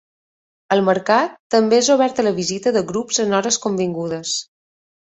El Mercat també és obert a la visita de grups en hores convingudes.